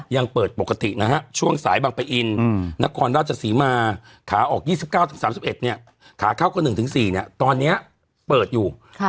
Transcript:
ยังเปิดปกตินะฮะช่วงสายบางปะอินนครราชศรีมาขาออก๒๙๓๑เนี่ยขาเข้าก็๑๔เนี่ยตอนนี้เปิดอยู่